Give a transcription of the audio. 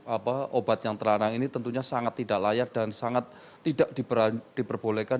apa obat yang terlarang ini tentunya sangat tidak layak dan sangat tidak diperbolehkan